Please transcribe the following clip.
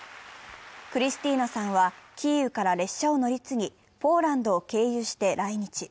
クリスティーナさんはキーウから列車を乗り継ぎ、ポーランドを経由して来日。